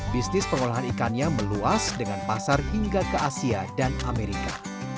bisnis pengolahan ikannya meluas dengan pasar hingga ke asia dan amerika